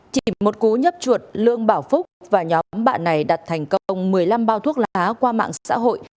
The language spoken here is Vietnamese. chỉ một cú nhấp chuột lương bảo phúc và nhóm bạn này đặt thành công một mươi năm bao thuốc lá qua mạng xã hội